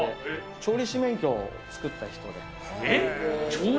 調理師免許作った人？